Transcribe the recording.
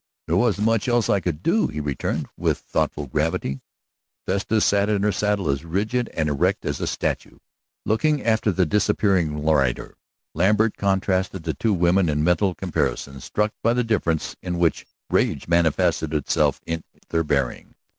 "There wasn't much else that I could do," he returned, with thoughtful gravity. Vesta sat in her saddle as rigid and erect as a statue, looking after the disappearing rider. Lambert contrasted the two women in mental comparison, struck by the difference in which rage manifested itself in their bearing.